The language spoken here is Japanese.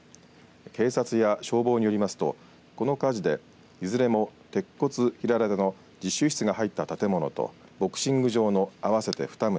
警察や消防によりますとこの火事でいずれも鉄骨平屋建ての実習室が入った建物とボクシング場の合わせて２棟